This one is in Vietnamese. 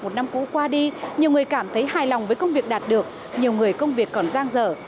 một năm cũ qua đi nhiều người cảm thấy hài lòng với công việc đạt được nhiều người công việc còn giang dở